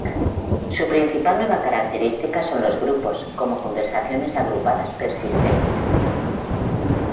Su principal nueva característica son los grupos, como conversaciones agrupadas persistentes.